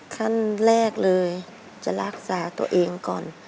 ขั้นแรกเลยจะรักษาตัวเองก่อน